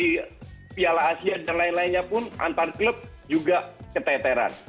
di piala asia dan lain lainnya pun antar klub juga keteteran